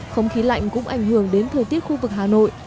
không khí lạnh cũng ảnh hưởng đến thời tiết khu vực hà nội